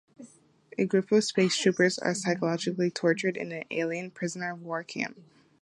A group of space troopers are psychologically tortured in an alien prisoner-of-war camp.